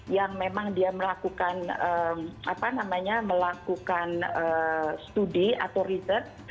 yang memang dia melakukan study atau research